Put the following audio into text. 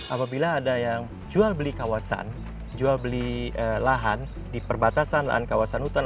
apabila ada yang jual beli kawasan jual beli lahan di perbatasan lahan kawasan hutan